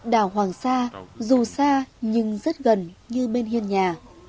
đảo hoàng sa dù xa nhưng rất gần như bên hiên nhà